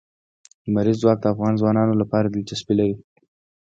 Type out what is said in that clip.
لمریز ځواک د افغان ځوانانو لپاره دلچسپي لري.